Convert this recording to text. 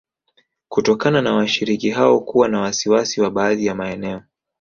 Kutokana na washiriki hao kuwa na wasiwasi wa baadhi ya maeneo